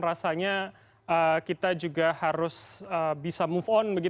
rasanya kita juga harus bisa move on